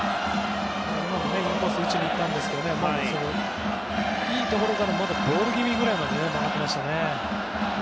今もインコース打ちにいったんですがいいところからボール気味くらいまで曲がっていましたね。